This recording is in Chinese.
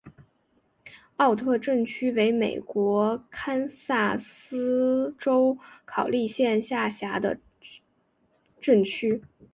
奥特镇区为美国堪萨斯州考利县辖下的镇区。